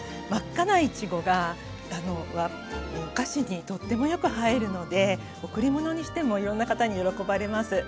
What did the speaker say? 真っ赤ないちごがお菓子にとってもよく映えるので贈り物にしてもいろんな方に喜ばれます。